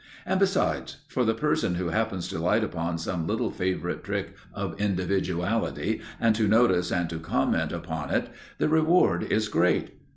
And, besides, for the person who happens to light upon some little favourite trick of individuality, and to notice and to comment upon it, the reward is great.